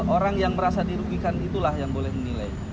orang yang merasa dirugikan itulah yang boleh menilai